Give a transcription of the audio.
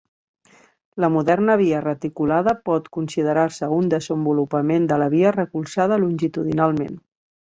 La moderna via reticulada pot considerar-se un desenvolupament de la via recolzada longitudinalment.